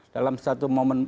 dalam satu momen